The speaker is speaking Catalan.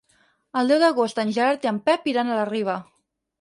El deu d'agost en Gerard i en Pep iran a la Riba.